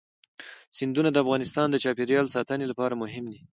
سیندونه د افغانستان د چاپیریال ساتنې لپاره مهم دي.